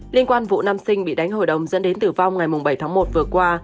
liên quan vụ nam sinh bị đánh hội đồng dẫn đến tử vong ngày bảy tháng một vừa qua